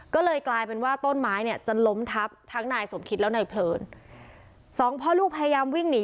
ก็เลยกลายเป็นว่าต้นไม้เนี่ยจะล้มทับทั้งนายสมคิดแล้วนายเพลินสองพ่อลูกพยายามวิ่งหนี